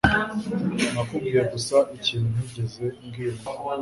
Nakubwiye gusa ikintu ntigeze mbwira undi